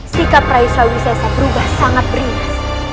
sikap rai surawisesa berubah sangat berhias